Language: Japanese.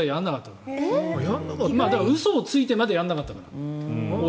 だから、親に嘘をついてまでやらなかったの。